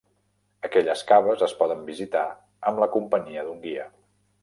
Aquelles caves es poden visitar amb la companyia d'un guia.